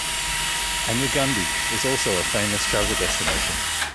Anegundi, is also a famous travel destination.